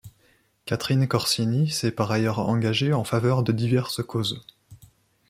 Catherine Corsini s'est par ailleurs engagée en faveur de diverses causes.